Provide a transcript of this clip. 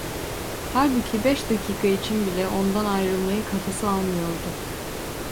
Halbuki beş dakika için bile ondan ayrılmayı kafası almıyordu.